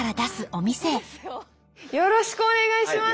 よろしくお願いします。